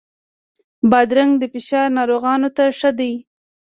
بادرنګ د فشار ناروغانو ته ښه دی.